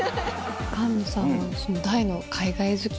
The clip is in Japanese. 菅野さんは大の海外好きで。